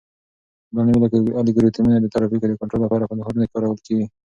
دا نوي الګوریتمونه د ترافیکو د کنټرول لپاره په ښارونو کې کارول کیږي.